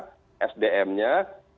tapi juga bobot daripada substansi regulasi